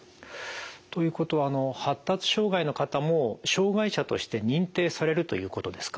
ということは発達障害の方も障害者として認定されるということですか？